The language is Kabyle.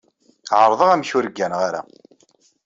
Ɛerḍeɣ amek ur gganeɣ ara.